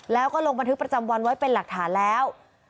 แล้วก็ลงบันทึกประจำวันไว้เป็นหลักฐานแล้ว